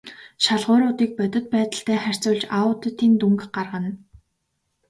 Шалгууруудыг бодит байдалтай харьцуулж аудитын дүнг гаргана.